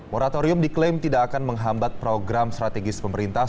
moratorium diklaim tidak akan menghambat program strategis pemerintah